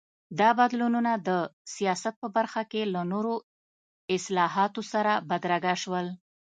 دا بدلونونه د سیاست په برخه کې له نورو اصلاحاتو سره بدرګه شول.